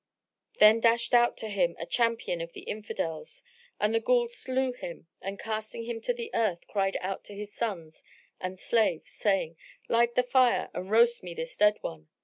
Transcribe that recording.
Then dashed out to him a champion of the Infidels, and the Ghul slew him and casting him to the earth, cried out to his sons and slaves, saying, "Light the fire and roast me this dead one."